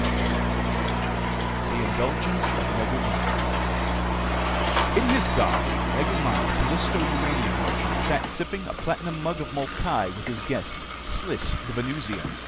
_] The Indulgence of Negu Mah by ROBERT ARTHUR In his garden, Negu Mah, the Callisto uranium merchant, sat sipping a platinum mug of molkai with his guest, Sliss the Venusian.